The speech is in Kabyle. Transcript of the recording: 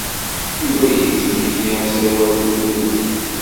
Yuba yegzem-iyi asawal deg wudem.